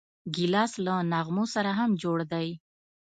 ګیلاس له نغمو سره هم جوړ دی.